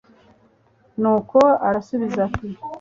nuko arasubiza ati